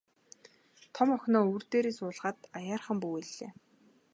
Том охиноо өвөр дээрээ суулгаад аяархан бүүвэйллээ.